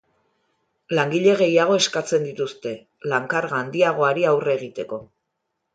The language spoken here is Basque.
Langile gehiago eskatzen dituzte, lan-karga handiagoari aurre egiteko.